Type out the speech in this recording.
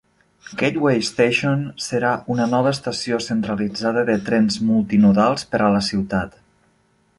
Gateway Station, serà una nova estació centralitzada de trens multi-modals per a la ciutat.